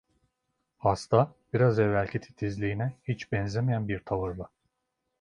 Hasta, biraz evvelki titizliğine hiç benzemeyen bir tavırla.